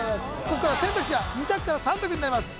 ここから選択肢は２択から３択になります